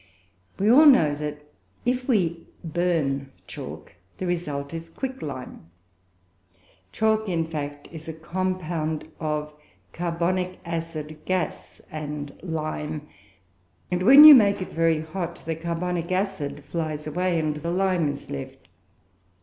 We all know that if we "burn" chalk the result is quicklime. Chalk, in fact, is a compound of carbonic acid gas, and lime, and when you make it very hot the carbonic acid flies away and the lime is left.